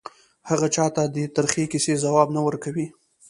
هغه چا ته د ترخې کیسې ځواب نه ورکوي